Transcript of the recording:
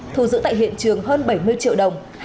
thu giữ tại hiện trường hơn bảy mươi triệu đồng